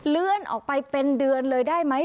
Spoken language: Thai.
เลื่อนออกไปเป็นเดือนเลยได้ไหม